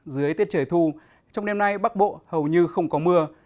dưới tiết trời thu trong đêm nay bắc bộ hầu như không có mưa